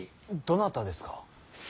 どなたですか。